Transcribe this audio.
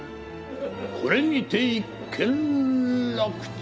これにて一件落着。